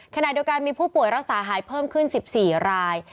ขณะเดียวกันมีผู้ป่วยรักษาหายเพิ่มขึ้น๑๔ราย